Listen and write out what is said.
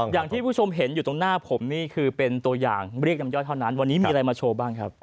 อย่างที่ผู้ชมเห็นอยู่ตรงหน้าผมนี่คือเป็นตัวอย่างเรียกน้ำย่อยเท่านั้นวันนี้มีอะไรมาโชว์บ้างครับ